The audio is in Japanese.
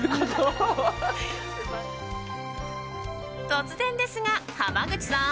突然ですが、濱口さん。